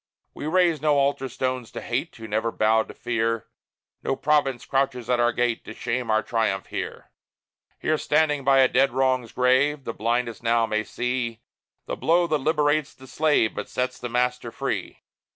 We raise no altar stones to Hate, Who never bowed to Fear: No province crouches at our gate, To shame our triumph here. Here standing by a dead wrong's grave The blindest now may see, The blow that liberates the slave But sets the master free!